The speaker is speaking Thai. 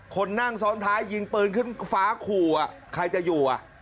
คนนั่งซ้อนท้ายยิงปืนขึ้นฟ้าขู่ใครจะอยู่อ่ะ